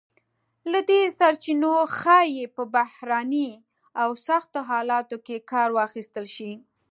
له دې سرچینو ښایي په بحراني او سختو حالتونو کې کار واخیستل شی.